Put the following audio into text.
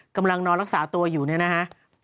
กำลังนอนรักษาตัวอยู่เนี่ยนะฮะ